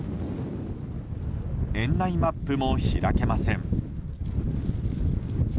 園内マップも開けません。